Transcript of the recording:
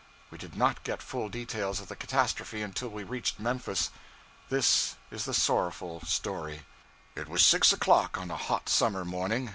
We did not get full details of the catastrophe until we reached Memphis. This is the sorrowful story It was six o'clock on a hot summer morning.